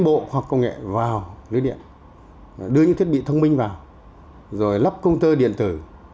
bộ hoặc công nghệ vào lưới điện đưa những thiết bị thông minh vào rồi lắp công tơ điện tử